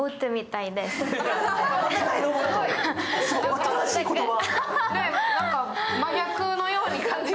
新しい言葉。